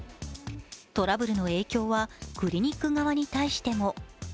トラブルの影響はクリニック側に対しても。